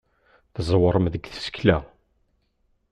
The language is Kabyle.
Tẓewrem deg tsekla.